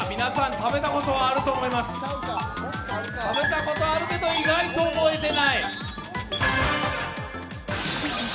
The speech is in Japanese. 食べたことあるけど、意外と覚えてない。